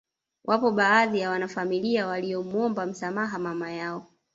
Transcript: Wapo baadhi ya wanafamilia waliomwomba msamaha mama yao